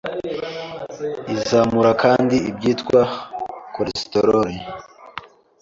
izamura kandi ibyitwa cholesterol,